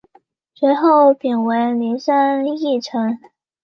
随后贬为麟山驿丞。